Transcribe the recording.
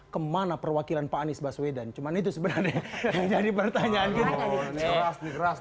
kemana perwakilan pak anies baswedan cuman itu sebenarnya jadi pertanyaan keras keras